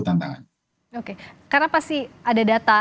tantangan oke karena pasti ada data